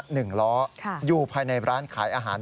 หนึ่งล้ออยู่ภายในร้านขายอาหาร